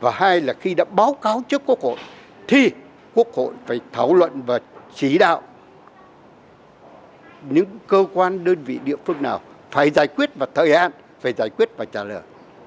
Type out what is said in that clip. và hai là khi đã báo cáo trước quốc hội thì quốc hội phải thảo luận và chỉ đạo những cơ quan đơn vị địa phương nào phải giải quyết vào thời hạn phải giải quyết và trả lời